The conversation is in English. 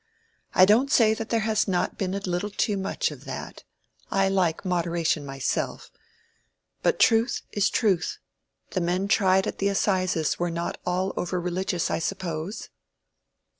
I don't say that there has not been a little too much of that—I like moderation myself. But truth is truth. The men tried at the assizes are not all over religious, I suppose."